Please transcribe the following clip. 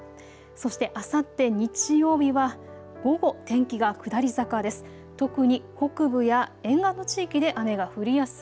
そしてあさって日曜日は午後、天気が下り坂です。